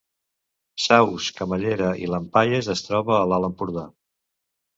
Saus, Camallera i Llampaies es troba a l’Alt Empordà